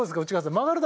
曲がる球